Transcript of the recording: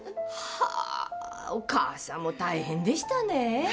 あお母さんも大変でしたね